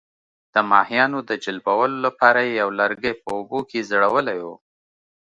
د ماهیانو د جلبولو لپاره یې یو لرګی په اوبو کې ځړولی وو.